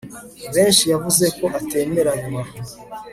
benshi yavuze ko atemeranywa